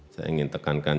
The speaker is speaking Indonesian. saya ingin tekankan